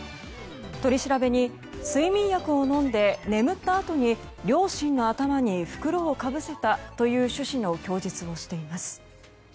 取り調べに睡眠薬を飲んで眠ったあとに両親の頭に袋をかぶせたという趣旨の供述をしています。